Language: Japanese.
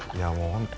本当